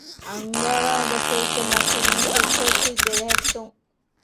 އަންގަވާގޮތެއްގެމަތީން ސެކިއުރިޓީ ބެލެހެއްޓުން